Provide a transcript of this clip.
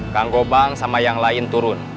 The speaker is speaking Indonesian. kang gobang sama yang lain turun